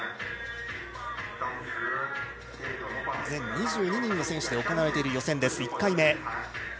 全２２人の選手で行われている１回目。